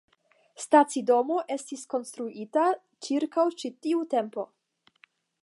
Stacidomo estis konstruita ĉirkaŭ ĉi tiu tempo.